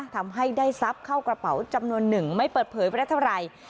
ทำให้ได้ทรัพย์เข้ากระเป๋าจำนวนหนึ่งไม่เปิดเผยไปได้เท่าไหร่